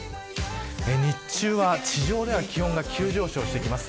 日中は地上では気温が急上昇してきます。